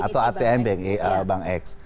ya atau atm bank x